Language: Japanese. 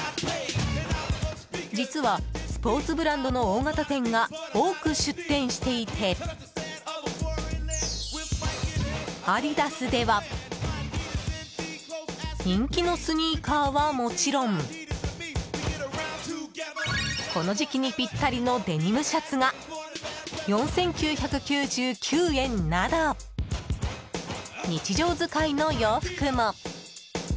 実はスポーツブランドの大型店が多く出店していてアディダスでは人気のスニーカーはもちろんこの時期にぴったりのデニムシャツが４９９９円など日常使いの洋服も。